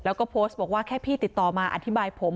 แล้วก็โพสต์บอกว่าแค่พี่ติดต่อมาอธิบายผม